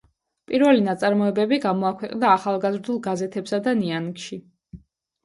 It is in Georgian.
პირველი ნაწარმოებები გამოაქვეყნა ახალგაზრდულ გაზეთებსა და „ნიანგში“.